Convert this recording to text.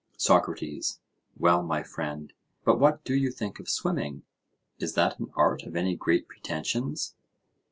SOCRATES: Well, my friend, but what do you think of swimming; is that an art of any great pretensions?